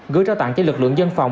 gửi ra tặng cho lực lượng dân phòng